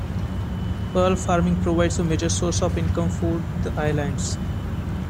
Pearl farming provides a major source of income for the islands.